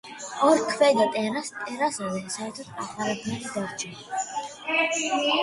ორ ქვედა ტერასაზე საერთოდ აღარაფერი დარჩა.